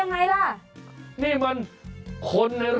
นั่งหักส่วนประมาณ๕๐ล้าน